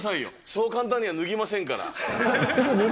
そう簡単には脱ぎませんから。